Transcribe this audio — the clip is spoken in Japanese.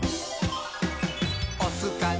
「おすかな？